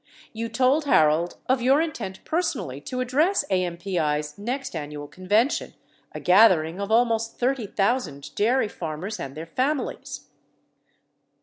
You told Harold of your intent personally to address AMPI's next annual convention (a gathering of almost 30,000 dairy farmers and their families)